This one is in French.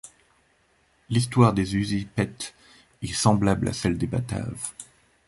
L'histoire des Usipètes est semblable à celle des Bataves.